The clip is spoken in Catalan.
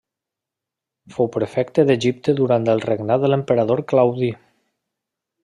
Fou prefecte d'Egipte durant el regnat de l'emperador Claudi.